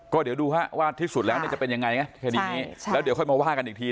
ก็เดี๋ยวดูฮะว่าที่สุดแล้วเนี่ยจะเป็นยังไงคดีนี้แล้วเดี๋ยวค่อยมาว่ากันอีกที